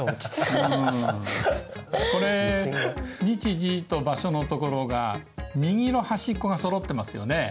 これ日時と場所のところが右の端っこが揃ってますよね。